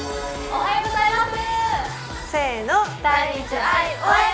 おはようございます。